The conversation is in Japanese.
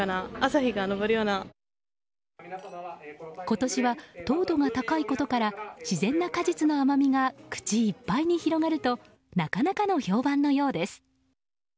今年は、糖度が高いことからしぜんな果実の甘みが口いっぱいに広がるとなかなかの評判のようです。